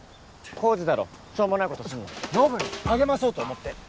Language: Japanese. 浩次だろしょうもないことすんな。のぶりん励まそうと思って。